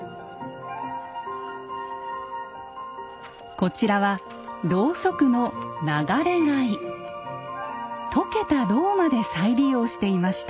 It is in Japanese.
こちらはロウソクの溶けたロウまで再利用していました。